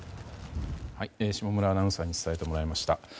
下村アナウンサーに伝えてもらいました。